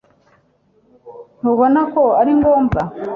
ntubona ko ari ngombwa